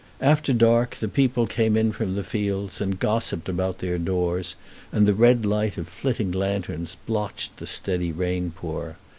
After dark the people came in from the fields and gossiped about their doors, and the red light of flitting lanterns blotched the steady rainpour.